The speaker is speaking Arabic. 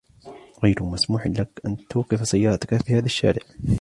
غير مسموح لك أن توقف سيارتك في هذا الشارع.